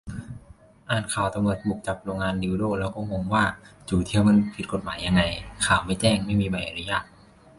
อ่านข่าวตำรวจบุกจับโรงงานดิลโด้ แล้วก็งงว่า จู๋เทียมมันผิดกฎหมายยังไง ? ข่าวไม่แจ้ง ไม่มีใบอนุญาต ?